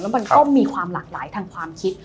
มันก็มีความหลากหลายทางความคิด